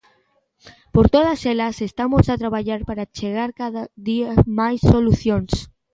Por todas elas, estamos a traballar para achegar cada día máis solucións.